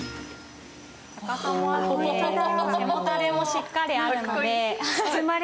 背もたれもしっかりあるので。